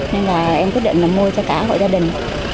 nên là em quyết định là mua cho cả hội gia đình